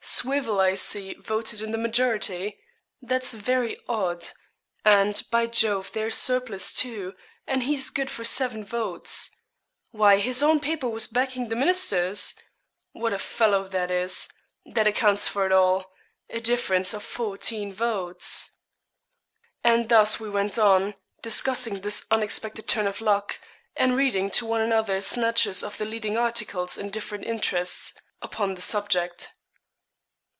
Swivell, I see, voted in the majority; that's very odd; and, by Jove, there's Surplice, too, and he's good for seven votes. Why his own paper was backing the ministers! What a fellow that is! That accounts for it all. A difference of fourteen votes.' And thus we went on, discussing this unexpected turn of luck, and reading to one another snatches of the leading articles in different interests upon the subject.